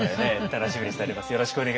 楽しみにしております